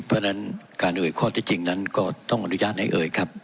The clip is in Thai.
เพราะฉะนั้นการเอ่ยข้อที่จริงนั้นก็ต้องอนุญาตให้เอ่ยครับ